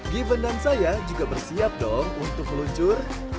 given dan saya juga bersiap dong untuk meluncur